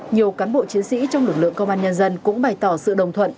nhiều cán bộ chiến sĩ trong lực lượng công an nhân dân cũng bày tỏ sự đồng thuận